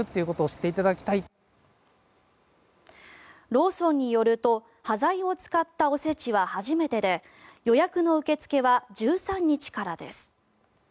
ローソンによると端材を使ったお節は初めてで予約の受け付けは１３日からです。